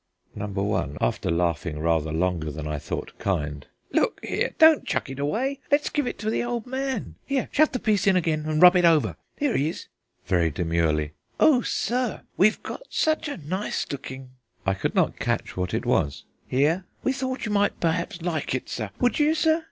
Number one (after laughing rather longer than I thought kind): "Look here don't chuck it away let's give it to the old man. Here shove the piece in again and rub it over here he is!" (Very demurely): "O sir, we've got such a nice looking " (I could not catch what it was) "here; we thought you might perhaps like it, sir. Would you, sir?...